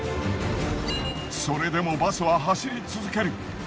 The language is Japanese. それでもバスは走り続ける。